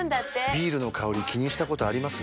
ビールの香り気にしたことあります？